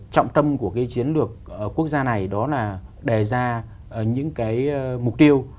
trọng tâm của cái chiến lược quốc gia này đó là đề ra những cái mục tiêu